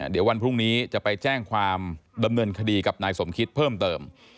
เดี๋ยววันพรุ่งนี้จะไปแจ้งความดำเนินคดีกับนายสมคิตเพิ่มเติม